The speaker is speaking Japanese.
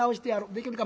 「できるか？」。